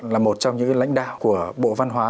là một trong những lãnh đạo của bộ văn hóa